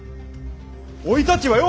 おいたちはよ！